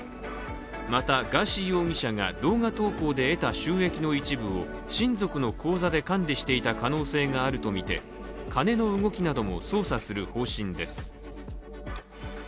またガーシー容疑者が動画投稿で得た収益の一部を親族の口座で管理していた可能性があるとみてカネの動きなども捜査する方針です。